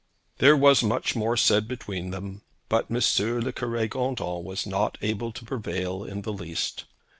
There was much more said between them, but M. le Cure Gondin was not able to prevail in the least.